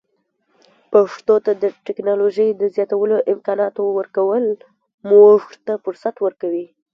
پښتو ته د ټکنالوژۍ د زیاتو امکاناتو ورکول موږ ته فرصت ورکوي.